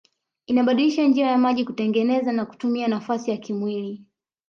Inabadilisha njia ya miji kutengeneza na kutumia nafasi ya kimwili